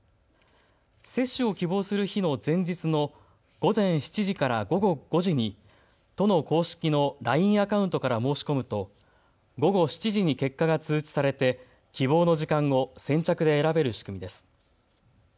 接種を希望する日の前日の午前７時から午後５時に都の公式のＬＩＮＥアカウントから申し込むと午後７時に結果が通知されて希望の時間を先着で選べる仕組みです。